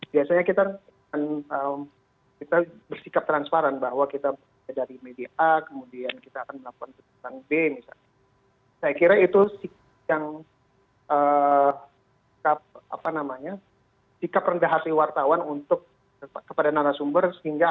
biasanya kita bersikap transparan bahwa kita dari media a kemudian kita akan melakukan keputusan b misalnya